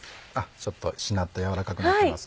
ちょっとしなっと軟らかくなっています。